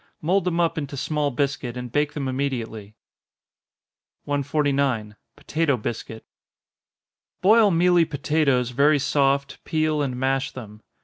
Mould them up into small biscuit, and bake them immediately. 149. Potato Biscuit. Boil mealy potatoes very soft, peel and mash them.